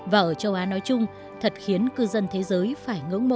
và ở châu á nói chung thật khiến cư dân thế giới phải ngưỡng mộ